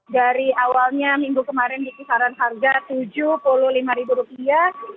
dari awalnya minggu kemarin di kisaran harga tujuh puluh lima ribu rupiah